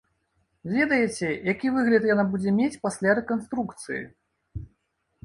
Ведаеце, які выгляд яна будзе мець пасля рэканструкцыі?